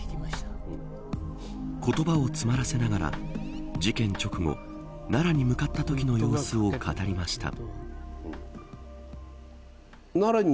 言葉を詰まらせながら事件直後奈良に向かったときの様子を語りました。